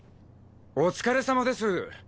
お疲れさまです。